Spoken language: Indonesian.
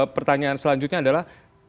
pertanyaan selanjutnya adalah